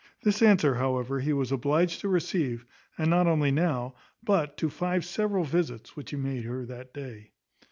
This answer, however, he was obliged to receive, and not only now, but to five several visits which he made her that day.